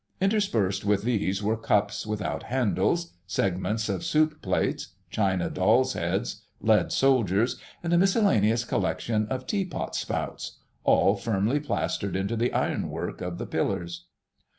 Interspersed with these were cups without handles, segments of soup plates, china dolls' heads, lead soldiers, and a miscellaneous collection of tea pot spouts, ... all firmly plastered into the ironwork of the pillars.